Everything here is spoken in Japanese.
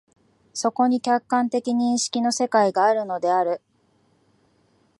そこに客観的認識の世界があるのである。